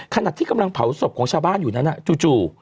ขณะที่กำลังเผาศพของชาวบ้านอยู่นั้นจู่